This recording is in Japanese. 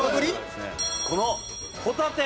このホタテ。